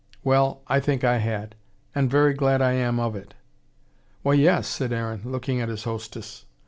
"Well I think I had. And very glad I am of it." "Why, yes," said Aaron, looking at his hostess.